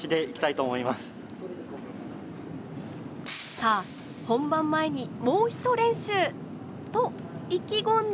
さあ本番前にもうひと練習。と意気込んだ